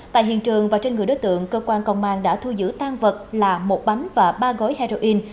tại hiện trường và trên người đối tượng cơ quan công an đã thu giữ tan vật là một bánh và ba gói heroin